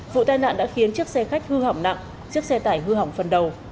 vụ tai nạn đã khiến chiếc xe khách hư hỏng nặng chiếc xe tải hư hỏng phần đầu